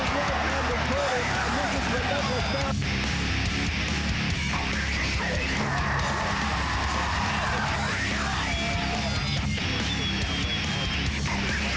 เขามาหลังและกลับมาช่วยที่จุดยอด